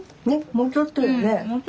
もうちょっとよね。